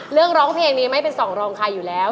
เรื่องร้องเพลงนี้ไม่เป็นส่องรองคายอยู่แล้ว